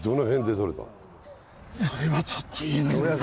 それはちょっと言えないんです。